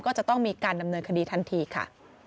ก็จะต้องมีการดำเนินคดีทันทีค่ะ